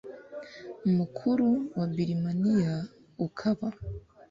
mukuru wa birimaniya ukaba